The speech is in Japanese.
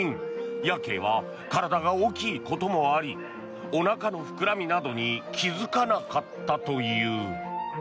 ヤケイは体が大きいこともありおなかの膨らみなどに気付かなかったという。